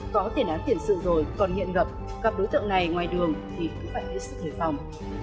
có tiền án tiền sự rồi còn hiện gặp gặp đối tượng này ngoài đường thì cũng phải biết sức lời phòng